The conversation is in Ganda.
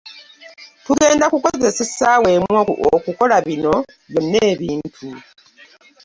Tugenda kukozesa essaawa emu okukola bino byonna ebintu.